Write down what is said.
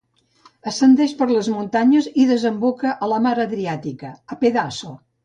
Ascendeix per les muntanyes i desemboca a la mar Adriàtica a Pedaso.